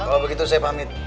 kalau begitu saya pamit